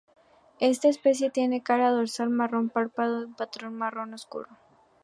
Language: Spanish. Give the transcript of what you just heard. Esta especie tiene una cara dorsal marrón pardo con un patrón marrón oscuro.